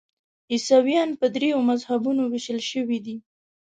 عیسویان په دریو مذهبونو ویشل شوي دي.